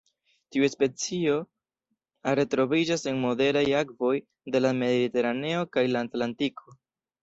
Tiu specio are troviĝas en moderaj akvoj de la Mediteraneo kaj la Atlantiko.